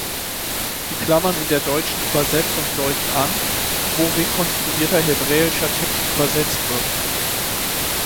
Die Klammern in der deutschen Übersetzung deuten an, wo rekonstruierter hebräischer Text übersetzt wird.